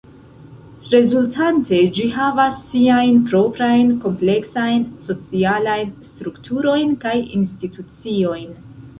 Rezultante ĝi havas siajn proprajn kompleksajn socialajn strukturojn kaj instituciojn.